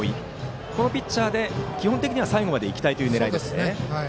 このピッチャーで基本的には最後まで行きたいという狙い。